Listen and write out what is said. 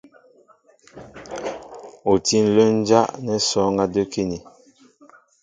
U tí ǹlə́ ǹjá' nɛ́ sɔ́ɔ́ŋ á də́kíní.